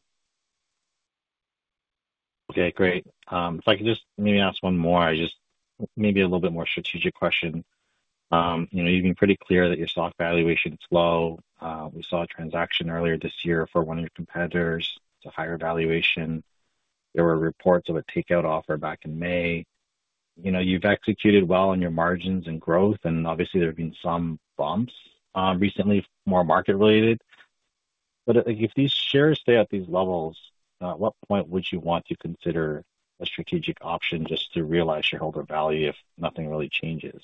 Okay, great. If I could just maybe ask one more, maybe a little bit more strategic question. You've been pretty clear that your stock valuation is low. We saw a transaction earlier this year for one of your competitors to higher valuation. There were reports of a takeout offer back in May. You've executed well on your margins and growth, and obviously, there have been some bumps recently, more market-related. If these shares stay at these levels, at what point would you want to consider a strategic option just to realize shareholder value if nothing really changes?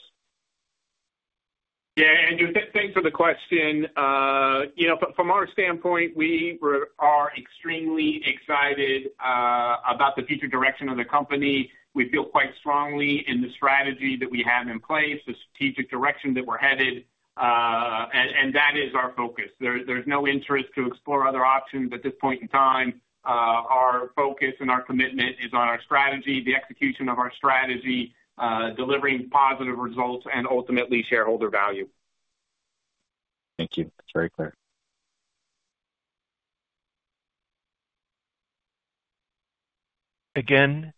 Yeah, Andrew, thanks for the question. From our standpoint, we are extremely excited about the future direction of the company. We feel quite strongly in the strategy that we have in place, the strategic direction that we're headed, and that is our focus. There's no interest to explore other options at this point in time. Our focus and our commitment is on our strategy, the execution of our strategy, delivering positive results, and ultimately shareholder value. Thank you. That's very clear. Again,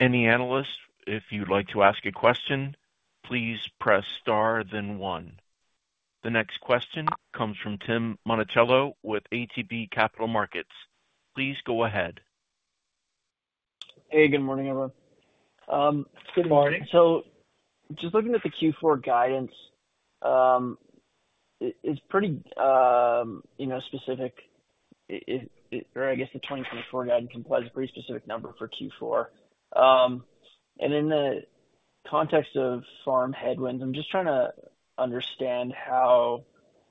any analyst, if you'd like to ask a question, please press star, then one. The next question comes from Tim Monachello with ATB Capital Markets. Please go ahead. Hey, good morning, everyone. Good morning. So just looking at the Q4 guidance, it's pretty specific. Or I guess the 2024 guidance implies a pretty specific number for Q4. In the context of farm headwinds, I'm just trying to understand how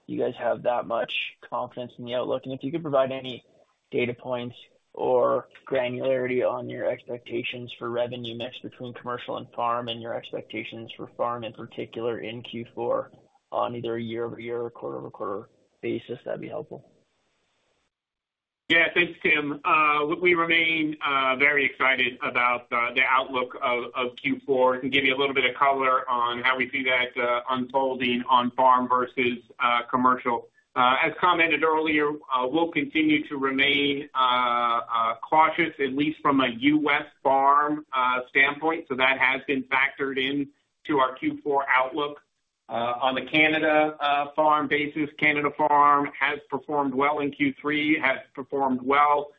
you guys have that much confidence in the outlook. If you could provide any data points or granularity on your expectations for revenue mix between commercial and farm and your expectations for farm in particular in Q4 on either a year-over-year or quarter-over-quarter basis, that'd be helpful. Yeah, thanks, Tim. We remain very excited about the outlook of Q4 and give you a little bit of color on how we see that unfolding on farm versus commercial. As commented earlier, we'll continue to remain cautious, at least from a U.S. farm standpoint. So that has been factored into our Q4 outlook on the Canada farm basis. Canada farm has performed well in Q3, has performed well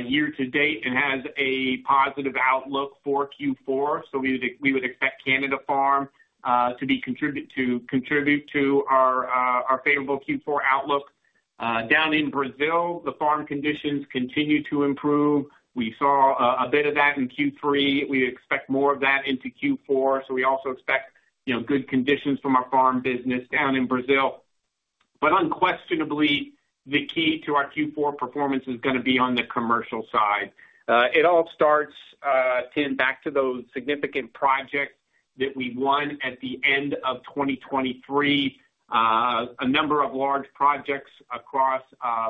year to date, and has a positive outlook for Q4. So we would expect Canada farm to contribute to our favorable Q4 outlook. Down in Brazil, the farm conditions continue to improve. We saw a bit of that in Q3. We expect more of that into Q4. So we also expect good conditions from our farm business down in Brazil. But unquestionably, the key to our Q4 performance is going to be on the commercial side. It all starts, Tim, back to those significant projects that we won at the end of 2023. A number of large projects across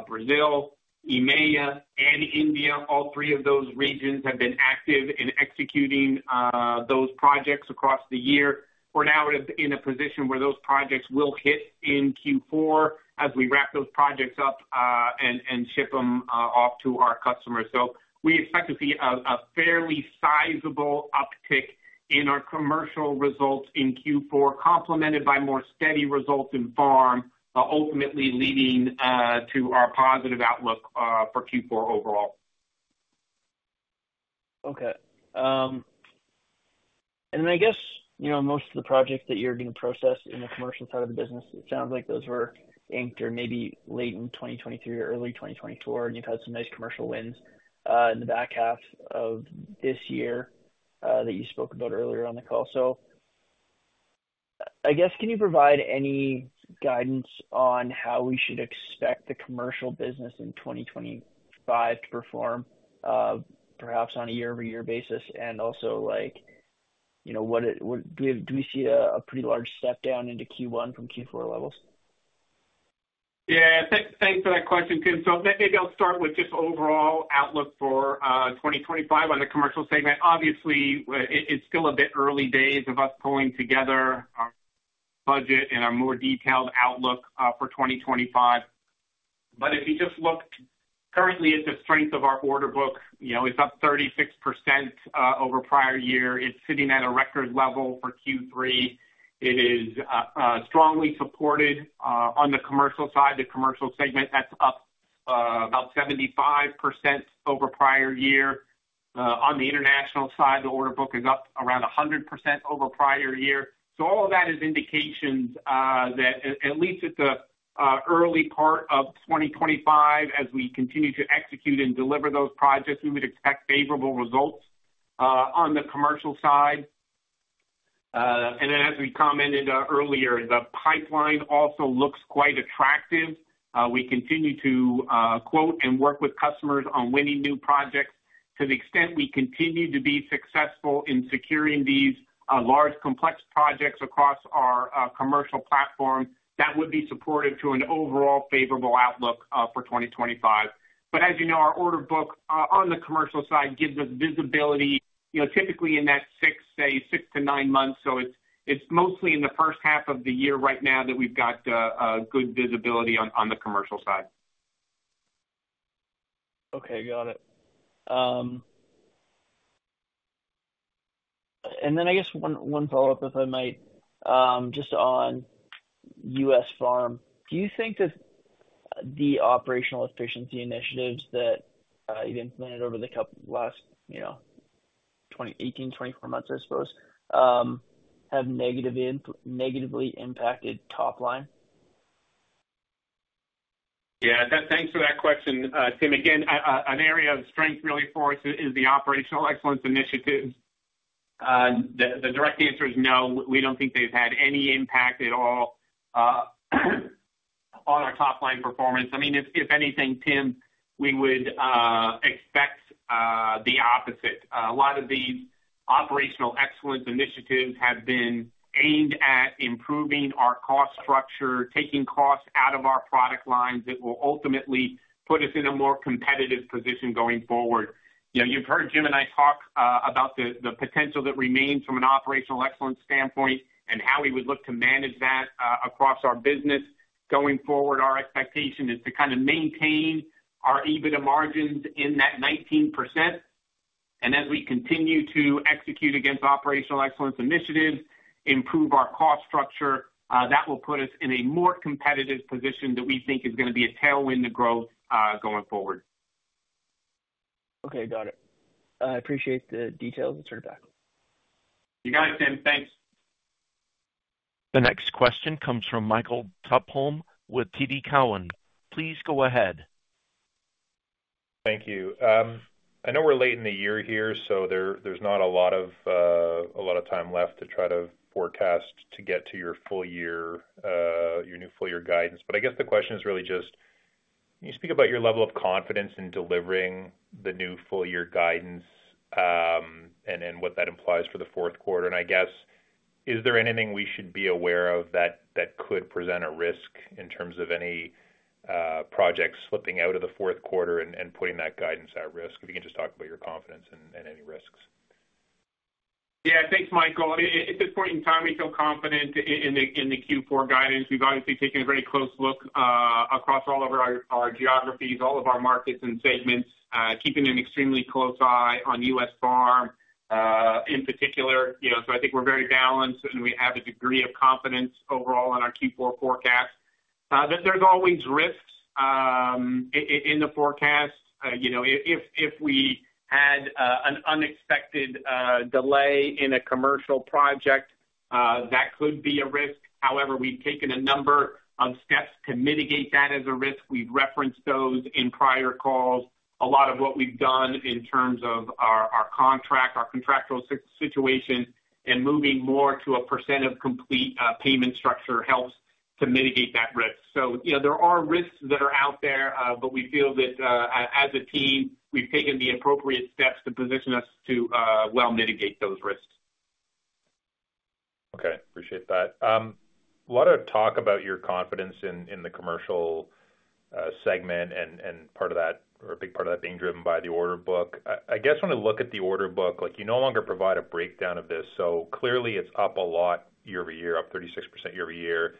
Brazil, EMEA, and India, all three of those regions have been active in executing those projects across the year. We're now in a position where those projects will hit in Q4 as we wrap those projects up and ship them off to our customers. So we expect to see a fairly sizable uptick in our commercial results in Q4, complemented by more steady results in farm, ultimately leading to our positive outlook for Q4 overall. Okay. And I guess most of the projects that you're going to process in the commercial side of the business, it sounds like those were aimed to maybe late in 2023 or early 2024, and you've had some nice commercial wins in the back half of this year that you spoke about earlier on the call. So I guess, can you provide any guidance on how we should expect the commercial business in 2025 to perform, perhaps on a year-over-year basis? And also, do we see a pretty large step down into Q1 from Q4 levels? Yeah, thanks for that question, Tim. So maybe I'll start with just overall outlook for 2025 on the commercial segment. Obviously, it's still a bit early days of us pulling together our budget and our more detailed outlook for 2025. But if you just look currently at the strength of our order book, it's up 36% over prior year. It's sitting at a record level for Q3. It is strongly supported on the commercial side. The commercial segment, that's up about 75% over prior year. On the international side, the order book is up around 100% over prior year. So all of that is indications that at least at the early part of 2025, as we continue to execute and deliver those projects, we would expect favorable results on the commercial side. And then, as we commented earlier, the pipeline also looks quite attractive. We continue to quote and work with customers on winning new projects. To the extent we continue to be successful in securing these large complex projects across our commercial platform, that would be supportive to an overall favorable outlook for 2025. But as you know, our order book on the commercial side gives us visibility typically in that six, say, six to nine months. So it's mostly in the first half of the year right now that we've got good visibility on the commercial side. Okay, got it. And then I guess one follow-up, if I might, just on U.S. farm. Do you think that the operational efficiency initiatives that you've implemented over the last 18-24 months, I suppose, have negatively impacted top line? Yeah, thanks for that question, Tim. Again, an area of strength really for us is the operational excellence initiatives. The direct answer is no. We don't think they've had any impact at all on our top-line performance. I mean, if anything, Tim, we would expect the opposite. A lot of these operational excellence initiatives have been aimed at improving our cost structure, taking costs out of our product lines that will ultimately put us in a more competitive position going forward. You've heard Jim and I talk about the potential that remains from an operational excellence standpoint and how we would look to manage that across our business going forward. Our expectation is to kind of maintain our EBITDA margins in that 19%. And as we continue to execute against operational excellence initiatives, improve our cost structure, that will put us in a more competitive position that we think is going to be a tailwind to growth going forward. Okay, got it. I appreciate the details. I'll turn it back. You got it, Tim. Thanks. The next question comes from Michael Tupholme with TD Cowen. Please go ahead. Thank you. I know we're late in the year here, so there's not a lot of time left to try to forecast to get to your new full-year guidance. But I guess the question is really just, can you speak about your level of confidence in delivering the new full-year guidance and what that implies for the fourth quarter? And I guess, is there anything we should be aware of that could present a risk in terms of any projects slipping out of the fourth quarter and putting that guidance at risk? If you can just talk about your confidence and any risks. Yeah, thanks, Michael. At this point in time, we feel confident in the Q4 guidance. We've obviously taken a very close look across all of our geographies, all of our markets and segments, keeping an extremely close eye on U.S. farm in particular. I think we're very balanced, and we have a degree of confidence overall in our Q4 forecast. There's always risks in the forecast. If we had an unexpected delay in a commercial project, that could be a risk. However, we've taken a number of steps to mitigate that as a risk. We've referenced those in prior calls. A lot of what we've done in terms of our contract, our contractual situation, and moving more to a percent of complete payment structure helps to mitigate that risk. So there are risks that are out there, but we feel that as a team, we've taken the appropriate steps to position us to well mitigate those risks. Okay, appreciate that. A lot of talk about your confidence in the commercial segment and part of that, or a big part of that, being driven by the order book. I guess when I look at the order book, you no longer provide a breakdown of this, so clearly, it's up a lot year-over-year, up 36% year-over-year,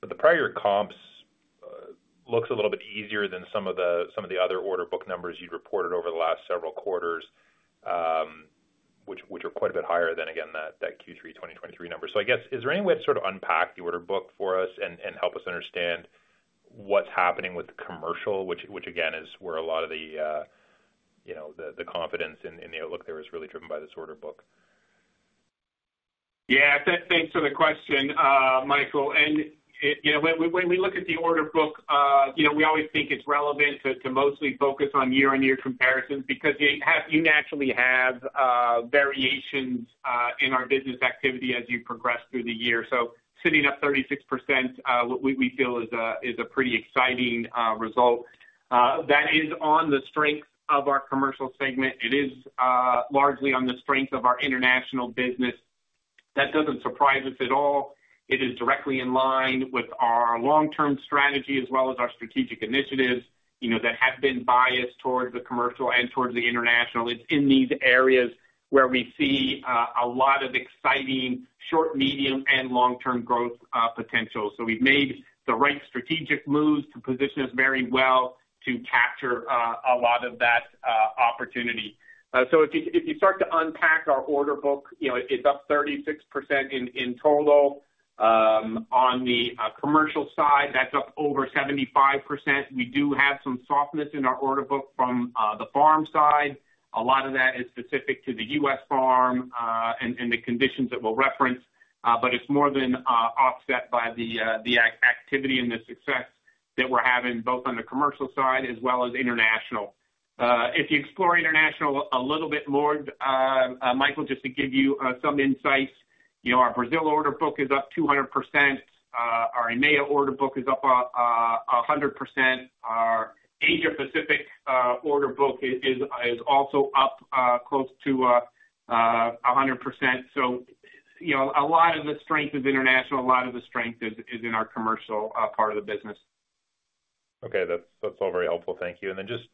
but the prior comps looks a little bit easier than some of the other order book numbers you'd reported over the last several quarters, which are quite a bit higher than, again, that Q3 2023 number, so I guess, is there any way to sort of unpack the order book for us and help us understand what's happening with commercial, which, again, is where a lot of the confidence in the outlook there is really driven by this order book? Yeah, thanks for the question, Michael, and when we look at the order book, we always think it's relevant to mostly focus on year-on-year comparisons because you naturally have variations in our business activity as you progress through the year. So sitting at 36%, we feel is a pretty exciting result. That is on the strength of our commercial segment. It is largely on the strength of our international business. That doesn't surprise us at all. It is directly in line with our long-term strategy as well as our strategic initiatives that have been biased towards the commercial and towards the international. It's in these areas where we see a lot of exciting short, medium, and long-term growth potential. So we've made the right strategic moves to position us very well to capture a lot of that opportunity. So if you start to unpack our order book, it's up 36% in total. On the commercial side, that's up over 75%. We do have some softness in our order book from the farm side. A lot of that is specific to the U.S. farm and the conditions that we'll reference, but it's more than offset by the activity and the success that we're having both on the commercial side as well as international. If you explore international a little bit more, Michael, just to give you some insights, our Brazil order book is up 200%. Our EMEA order book is up 100%. Our Asia-Pacific order book is also up close to 100%. So a lot of the strength is international. A lot of the strength is in our commercial part of the business. Okay, that's all very helpful. Thank you. And then just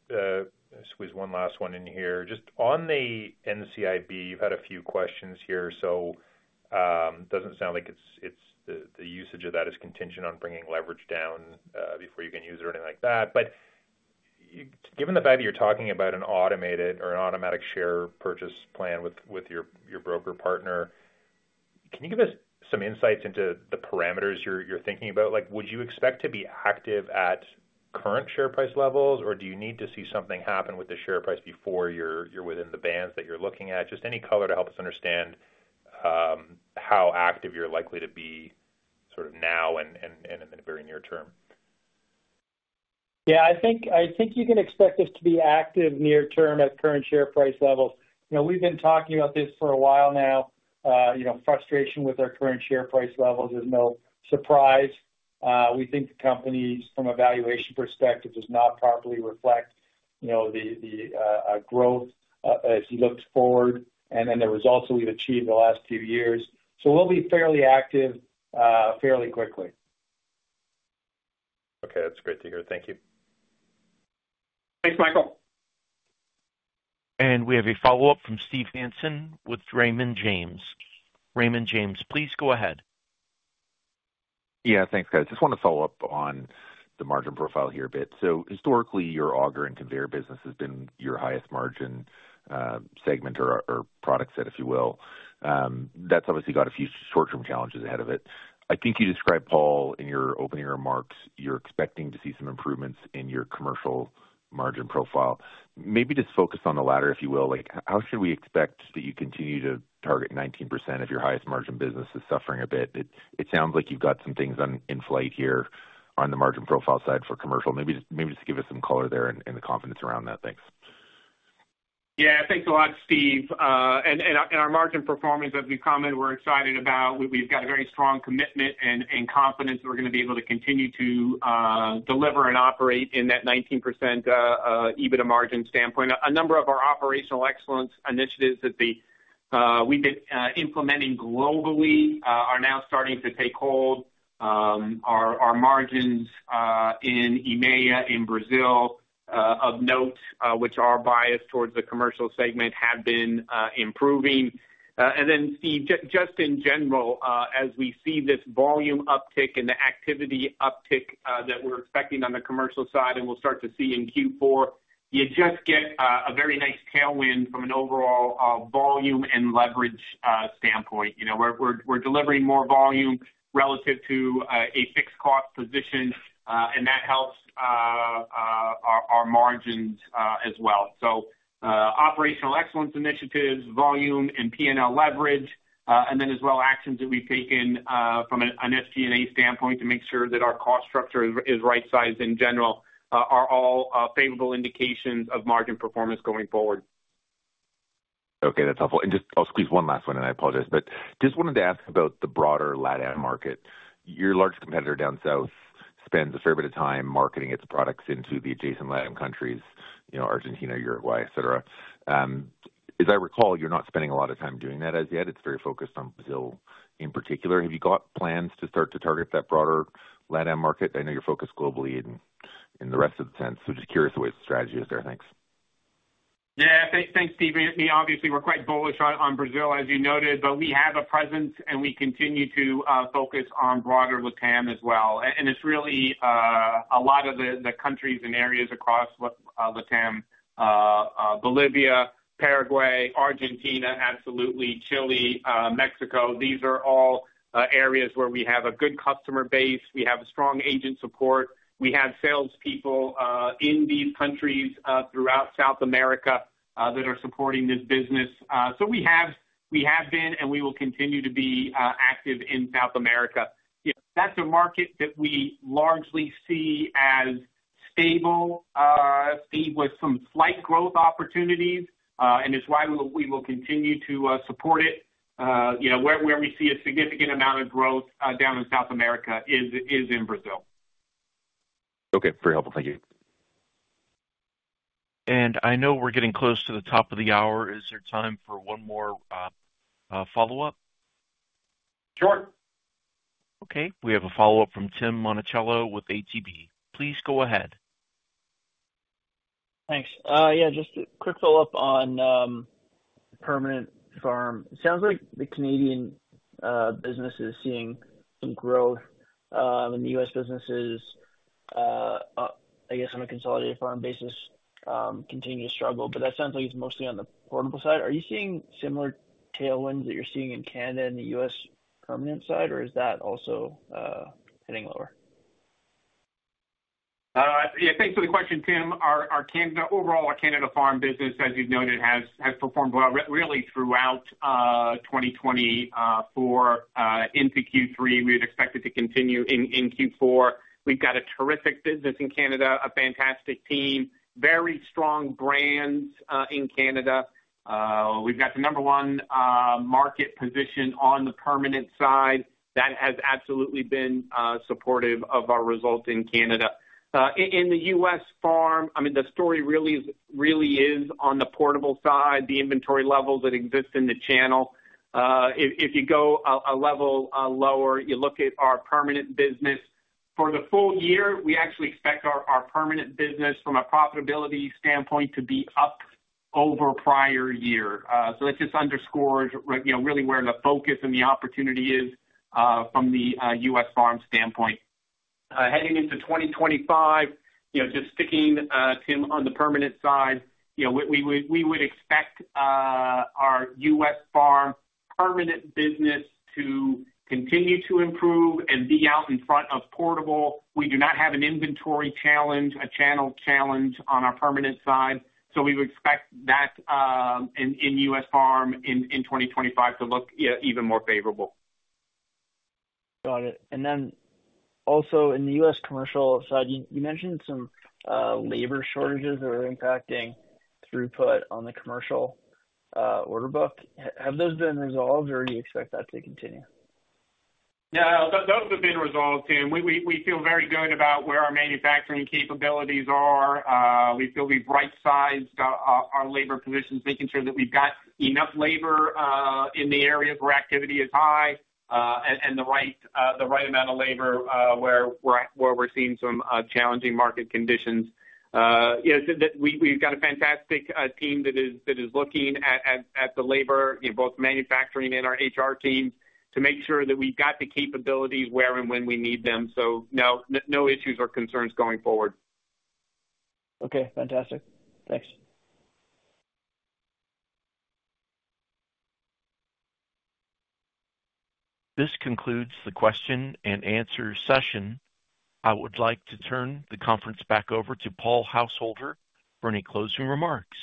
squeeze one last one in here. Just on the NCIB, you've had a few questions here. So it doesn't sound like the usage of that is contingent on bringing leverage down before you can use it or anything like that. But given the fact that you're talking about an automated or an automatic share purchase plan with your broker partner, can you give us some insights into the parameters you're thinking about? Would you expect to be active at current share price levels, or do you need to see something happen with the share price before you're within the bands that you're looking at? Just any color to help us understand how active you're likely to be sort of now and in the very near term. Yeah, I think you can expect us to be active near-term at current share price levels. We've been talking about this for a while now. Frustration with our current share price levels is no surprise. We think the companies, from a valuation perspective, do not properly reflect the growth as you look forward and the results that we've achieved the last few years. So we'll be fairly active fairly quickly. Okay, that's great to hear. Thank you. Thanks, Michael. And we have a follow-up from Steve Hansen with Raymond James. Raymond James, please go ahead. Yeah, thanks, guys. Just want to follow up on the margin profile here a bit. So historically, your auger and conveyor business has been your highest margin segment or product set, if you will. That's obviously got a few short-term challenges ahead of it. I think you described, Paul, in your opening remarks, you're expecting to see some improvements in your commercial margin profile. Maybe just focus on the latter, if you will. How should we expect that you continue to target 19% if your highest margin business is suffering a bit? It sounds like you've got some things in flight here on the margin profile side for commercial. Maybe just give us some color there and the confidence around that. Thanks. Yeah, thanks a lot, Steve. And our margin performance, as we comment, we're excited about. We've got a very strong commitment and confidence that we're going to be able to continue to deliver and operate in that 19% EBITDA margin standpoint. A number of our operational excellence initiatives that we've been implementing globally are now starting to take hold. Our margins in EMEA in Brazil, of note, which are biased towards the commercial segment, have been improving. And then, Steve, just in general, as we see this volume uptick and the activity uptick that we're expecting on the commercial side and we'll start to see in Q4, you just get a very nice tailwind from an overall volume and leverage standpoint. We're delivering more volume relative to a fixed cost position, and that helps our margins as well. So operational excellence initiatives, volume, and P&L leverage, and then as well actions that we've taken from an SG&A standpoint to make sure that our cost structure is right-sized in general, are all favorable indications of margin performance going forward. Okay, that's helpful. And just I'll squeeze one last one, and I apologize. But just wanted to ask about the broader Latin market. Your large competitor down south spends a fair bit of time marketing its products into the adjacent Latin countries, Argentina, Uruguay, etc. As I recall, you're not spending a lot of time doing that as yet. It's very focused on Brazil in particular. Have you got plans to start to target that broader Latin market? I know you're focused globally in the rest of the sense. So just curious what the strategy is there. Thanks. Yeah, thanks, Steve. Obviously, we're quite bullish on Brazil, as you noted, but we have a presence, and we continue to focus on broader LATAM as well. And it's really a lot of the countries and areas across LATAM: Bolivia, Paraguay, Argentina, absolutely, Chile, Mexico. These are all areas where we have a good customer base. We have strong agent support. We have salespeople in these countries throughout South America that are supporting this business. So we have been, and we will continue to be active in South America. That's a market that we largely see as stable, Steve, with some slight growth opportunities, and it's why we will continue to support it. Where we see a significant amount of growth down in South America is in Brazil. Okay, very helpful. Thank you. And I know we're getting close to the top of the hour. Is there time for one more follow-up? Sure. Okay, we have a follow-up from Tim Monachello with ATB. Please go ahead. Thanks. Yeah, just a quick follow-up on permanent farm. It sounds like the Canadian business is seeing some growth, and the U.S. businesses, I guess on a consolidated farm basis, continue to struggle. But that sounds like it's mostly on the portable side. Are you seeing similar tailwinds that you're seeing in Canada and the U.S. permanent side, or is that also hitting lower? Yeah, thanks for the question, Tim. Overall, our Canada farm business, as you've noted, has performed well really throughout 2024 into Q3. We would expect it to continue in Q4. We've got a terrific business in Canada, a fantastic team, very strong brands in Canada. We've got the number one market position on the permanent side that has absolutely been supportive of our result in Canada. In the U.S. farm, I mean, the story really is on the portable side, the inventory levels that exist in the channel. If you go a level lower, you look at our permanent business. For the full year, we actually expect our permanent business, from a profitability standpoint, to be up over prior year. So that just underscores really where the focus and the opportunity is from the U.S. farm standpoint. Heading into 2025, just sticking, Tim, on the permanent side, we would expect our U.S. farm permanent business to continue to improve and be out in front of portable. We do not have an inventory challenge, a channel challenge on our permanent side. So we would expect that in U.S. farm in 2025 to look even more favorable. Got it. And then also in the U.S. commercial side, you mentioned some labor shortages that are impacting throughput on the commercial order book. Have those been resolved, or do you expect that to continue? No, those have been resolved, Tim. We feel very good about where our manufacturing capabilities are. We feel we've right-sized our labor positions, making sure that we've got enough labor in the areas where activity is high and the right amount of labor where we're seeing some challenging market conditions. We've got a fantastic team that is looking at the labor, both manufacturing and our HR team, to make sure that we've got the capabilities where and when we need them. So no issues or concerns going forward. Okay, fantastic. Thanks. This concludes the question and answer session. I would like to turn the conference back over to Paul Householder for any closing remarks.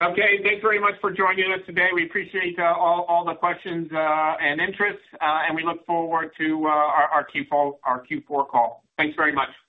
Okay, thanks very much for joining us today. We appreciate all the questions and interest, and we look forward to our Q4 call. Thanks very much.